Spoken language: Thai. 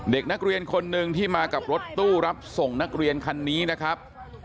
เด็กนักเรียนคนหนึ่งที่มากับรถตู้รับส่งนักเรียนคันนี้นะครับ